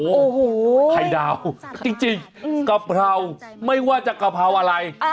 โอ้โหไข่ดาวจริงกะเพราไม่ว่าจะกะเพราอะไร